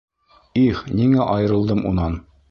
Их, ниңә айырылдым унан?!